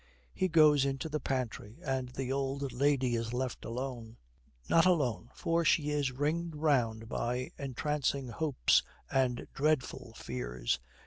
He goes into the pantry, and the old lady is left alone. Not alone, for she is ringed round by entrancing hopes and dreadful fears.